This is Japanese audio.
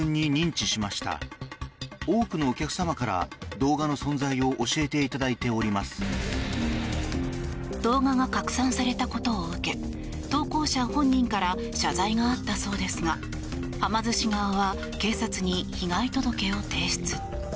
動画が拡散されたことを受け投稿者本人から謝罪があったそうですがはま寿司側は警察に被害届を提出。